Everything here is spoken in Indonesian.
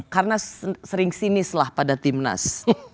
karena sering sinislah pada timnas